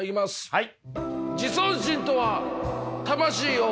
はい。